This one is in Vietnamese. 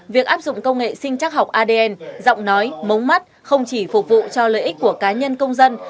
việc áp dụng công nghệ sinh chắc học adn giọng nói mống mắt không chỉ phục vụ cho lợi ích của cá nhân công dân